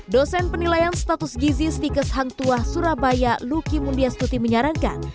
dosen penilaian status gizi stikes hang tua surabaya luki mundiastuti menyarankan